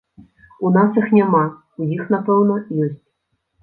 У нас іх няма, у іх, напэўна, ёсць.